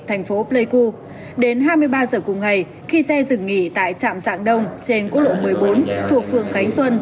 thành phố pleiku đến hai mươi ba h cùng ngày khi xe dừng nghỉ tại trạm trạng đông trên cố lộ một mươi bốn thuộc phường cánh xuân